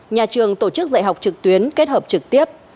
nhà trường tổ chức dạy học trực tuyến kết hợp trực tiếp